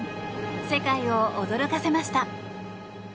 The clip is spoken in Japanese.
世界を驚かせました。